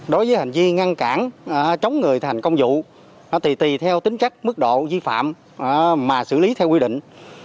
đối với hành vi ngăn cản chống người thành công vụ thì tùy theo tính chất mức độ vi phạm mà xử lý theo quy định